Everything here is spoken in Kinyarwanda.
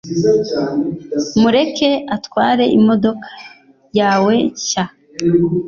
mureke atware imodoka yawe nshya